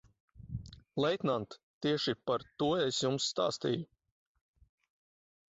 Leitnant, tieši par to es jums stāstīju.